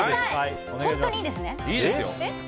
本当にいいんですね？